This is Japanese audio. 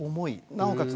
なおかつ